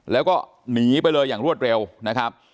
แล้วก็หนีไปเลยอย่างรวดเร็วนะครับ